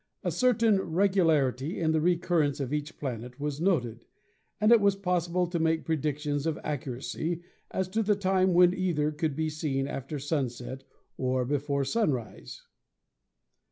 A cer tain regularity in the recurrence of each planet was noted, and it was possible to make predictions of accuracy as to the time when either could be seen after sunset or before sunrise.